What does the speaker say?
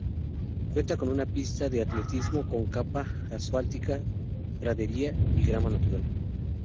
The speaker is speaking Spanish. Cuenta con una pista de atletismo con capa asfáltica, gradería y grama natural.